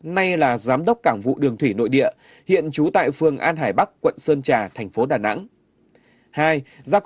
nay là giám đốc cảng vụ đường thủy nội địa hiện trú tại phường an hải bắc quận sơn trà thành phố đà nẵng